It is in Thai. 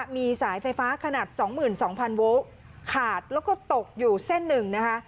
มีสายไฟฟ้าขนาด๒๒๐๐โวลต์ขาดแล้วก็ตกอยู่เส้นหนึ่งนะคะ